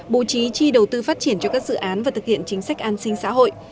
bố trí chi đầu tư phát triển cho các dự án và thực hiện chính sách an sinh xã hội